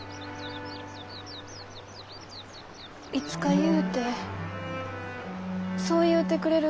いつかゆうてそう言うてくれるが？